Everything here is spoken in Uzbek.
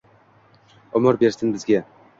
Umr bersin bizga.